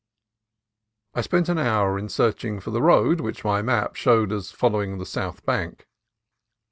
I spent an hour in searching for the road which my map showed as following the south bank.